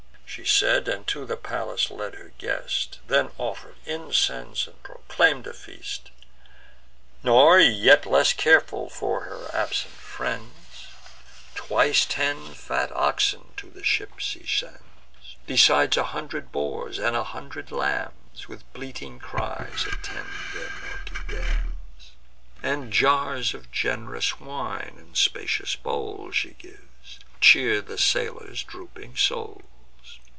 She said, and to the palace led her guest; Then offer'd incense, and proclaim'd a feast. Nor yet less careful for her absent friends, Twice ten fat oxen to the ships she sends; Besides a hundred boars, a hundred lambs, With bleating cries, attend their milky dams; And jars of gen'rous wine and spacious bowls She gives, to cheer the sailors' drooping souls.